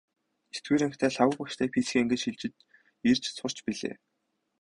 Есдүгээр ангидаа Лхагва багштай физикийн ангид шилжин ирж сурч билээ.